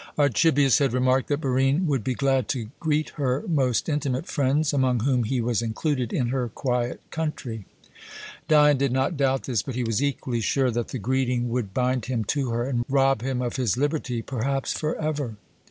Archibius had remarked that Barine would be glad to greet her most intimate friends among whom he was included in her quiet country home. Dion did not doubt this, but he was equally sure that the greeting would bind him to her and rub him of his liberty, perhaps forever.